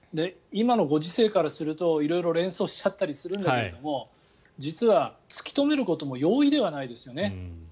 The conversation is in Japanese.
今のご時世からすると色々連想しちゃったりするんだけども実は、突き止めることも容易ではないですよね。